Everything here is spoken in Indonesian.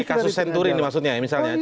kasus senturi ini maksudnya misalnya